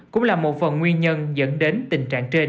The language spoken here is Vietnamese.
cũng là một phần nguyên nhân dẫn đến tình trạng trên